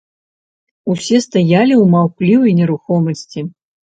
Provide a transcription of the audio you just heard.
Усе стаялі ў маўклівай нерухомасці.